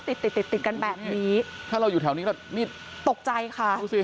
ติดติดติดติดติดกันแบบนี้ถ้าเราอยู่แถวนี้เรานี่ตกใจค่ะดูสิ